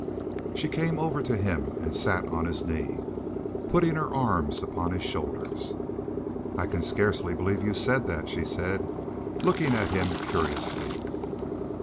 She came over to him and sat on his knee, putting her arms upon his shoulders. "I can scarcely believe you said that," she said, looking at him curiously.